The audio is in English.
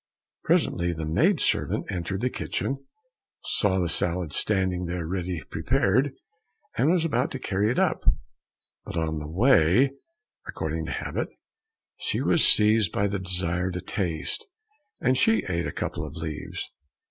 Presently the maid servant entered the kitchen, saw the salad standing there ready prepared, and was about to carry it up; but on the way, according to habit, she was seized by the desire to taste, and she ate a couple of leaves.